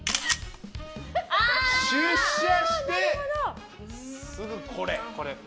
出社してすぐこれ。